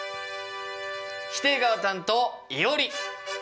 否定側担当いおり！